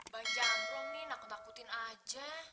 bang jadrong nih nakutin aja